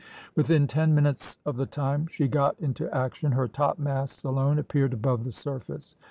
Within ten minutes of the time she got into action her topmasts alone appeared above the surface.